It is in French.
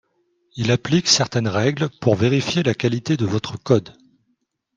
Il applique certaines règles pour vérifier la qualité de votre code